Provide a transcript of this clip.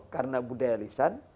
karena budaya lisan